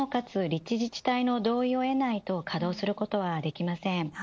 立地自治体の同意を得ないと稼働することはできません。